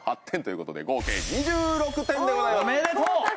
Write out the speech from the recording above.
８点ということで合計２６点でございますおめでとう！